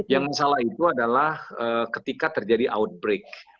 yang salah itu adalah ketika terjadi outbreak